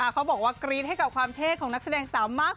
เขาบอกว่ากรี๊ดให้กับความเท่ของนักแสดงสาวมาก